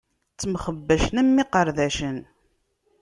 Ttemxebbacen am iqerdacen.